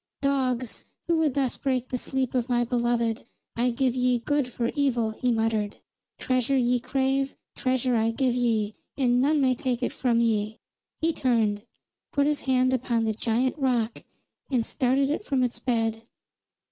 "Dogs, who would thus break the sleep of my beloved, I give ye good for evil!" he muttered. "Treasure ye crave: treasure I give ye, and none may take it from ye!" He turned, put his hand upon the great rock and started it from its bed.